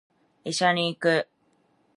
医者に行く